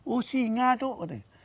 oh singa tuh